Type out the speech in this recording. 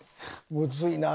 むずいなあ。